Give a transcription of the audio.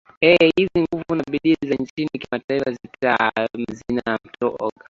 ee hizi nguvu na bidii za nchi za kimataifa zitam zita zitamng oa